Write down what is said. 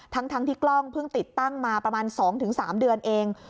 ทั้งที่กล้องเพิ่งติดตั้งมาประมาณ๒๓เดือนเอง